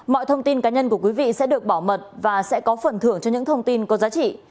mọi thông tin cá nhân của quý vị sẽ được bảo mật và sẽ có phần thưởng cho những thông tin có giá trị